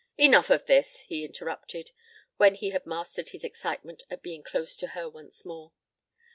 "Enough of this," he interrupted, when he had mastered his excitement at being close to her once more.